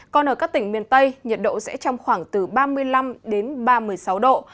còn ở các tỉnh miền tây nhiệt độ sẽ trong khoảng từ ba mươi năm đến ba mươi sáu độ